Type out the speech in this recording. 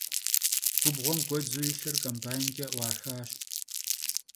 Gubğuem guedzu yilhır kombaynç'e 'uaxaş.